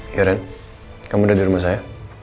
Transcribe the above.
iya ren kamu udah di rumah saya